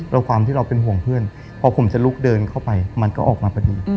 แล้วความที่เราเป็นห่วงเพื่อนพอผมจะลุกเดินเข้าไปมันก็ออกมาพอดี